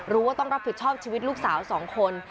รู้ว่าต้องรับผิดชอบชีวิตลูกสาวสองคน